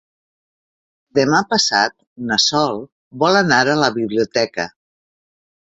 Demà passat na Sol vol anar a la biblioteca.